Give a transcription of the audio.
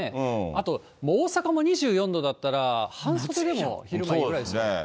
あと、大阪も２４度だったら、半袖でも昼間いいぐらいですね。